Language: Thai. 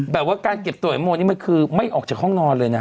แบบว่าการเก็บตัวอยู่บ้างไม่ออกจากห้องนอนเลยนะ